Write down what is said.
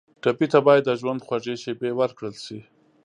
ټپي ته باید د ژوند خوږې شېبې ورکړل شي.